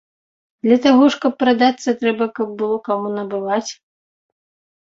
Для таго ж, каб прадацца, трэба, каб было каму набываць.